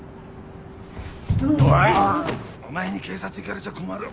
お前に警察行かれちゃ困る